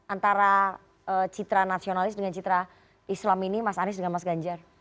antara citra nasionalis dengan citra islam ini mas anies dengan mas ganjar